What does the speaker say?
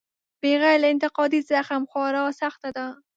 بغیر له انتقادي زغم خورا سخته ده.